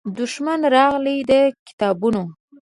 دښمن راغلی د کتابونو